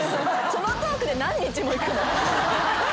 このトークで何日もいくの？